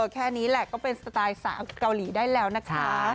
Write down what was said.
แค่นี้แหละก็เป็นสไตล์สาวเกาหลีได้แล้วนะคะ